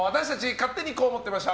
勝手にこう思ってました！